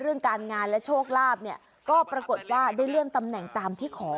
เรื่องการงานและโชคลาภเนี่ยก็ปรากฏว่าได้เลื่อนตำแหน่งตามที่ขอ